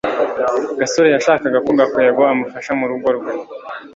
gasore yashakaga ko gakwego amufasha mu rugo rwe